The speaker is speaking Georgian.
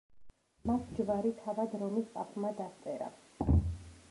მათ ჯვარი თავად რომის პაპმა დასწერა.